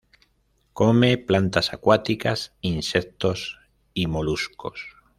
Come plantas acuáticas, insectos y moluscos.